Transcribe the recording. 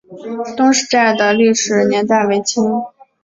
东石寨的历史年代为清。